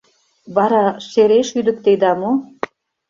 Вара шереш ӱдыктеда мо?